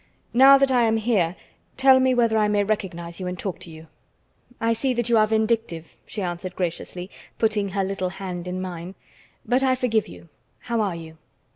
Now that I am here, tell me whether I may recognize you and talk to you." "I see that you are vindictive," she answered graciously, putting her little hand in mine. "But I forgive you. How are you?"